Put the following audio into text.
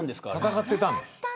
戦ってたんです。